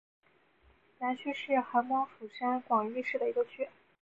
南区是韩国釜山广域市的一个区。